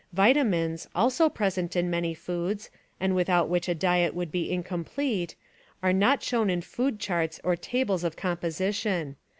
Vitamins, also present in many foods, and without which a diet would be incomplete, are not shown in food charts or tables of compo sition.